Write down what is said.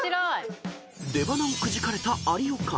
［出ばなをくじかれた有岡。